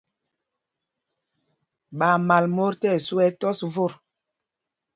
Ɓaa mal mot tí ɛsu ɛ tɔs mot.